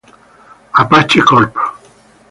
Apache Corp.